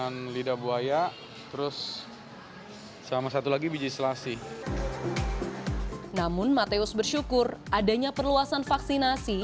namun mateus bersyukur adanya perluasan vaksinasi